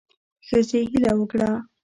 ښځې هیله وکړه